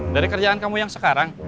dari kerjaan kamu yang sekarang